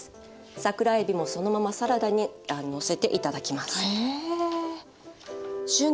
桜えびもそのままサラダにのせて頂きます。